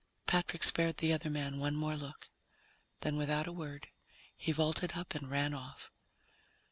Patrick spared the other man one more look. Then, without a word, he vaulted up and ran off.